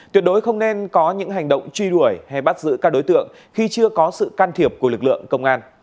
tuyệt đối không nên có những hành động truy đuổi hay bắt giữ các đối tượng khi chưa có sự can thiệp của lực lượng công an